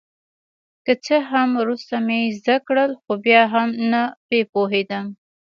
که څه هم وروسته مې زده کړل خو بیا هم نه په پوهېدم.